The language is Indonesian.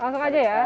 langsung aja ya